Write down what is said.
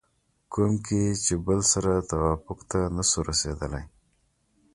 کوم کې چې بل سره توافق ته نشو رسېدلی